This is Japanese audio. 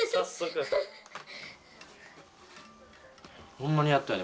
ほんまにやったで。